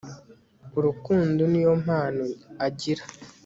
urukundo niyo mpano agira